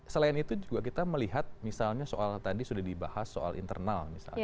selain itu juga kita melihat misalnya soal tadi sudah dibahas soal internal misalnya